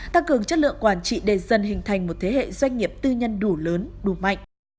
tăng cường chất lượng quản trị để dần hình thành một thế hệ doanh nghiệp tư nhân đủ lớn đủ mạnh